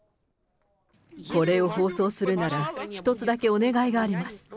これを放送するなら、一つだけお願いがあります。